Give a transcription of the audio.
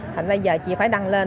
thành ra giờ chị phải đăng lên